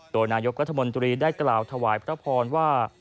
โดยนายกรัฐมนตรีได้กล่าวถวายพระพรว่า